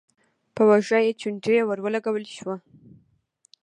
په اوږه يې چونډۍ ور ولګول شوه: